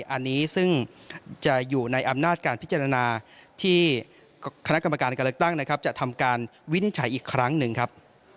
อันนี้ซึ่งจะอยู่ในอำนาจการพิจารณาที่คณะกรรมการการเลือกตั้งนะครับจะทำการวินิจฉัยอีกครั้งหนึ่งครับ